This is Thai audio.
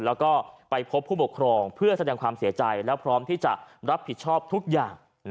แล้วก็ไปพบผู้ปกครองเพื่อแสดงความเสียใจและพร้อมที่จะรับผิดชอบทุกอย่าง